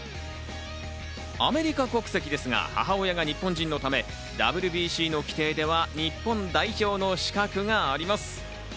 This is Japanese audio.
アメリカ国籍ですが、母親が日本人のため、ＷＢＣの規定では日本代表の資格があります。